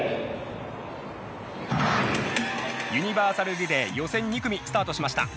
ユニバーサルリレー予選２組スタートしました。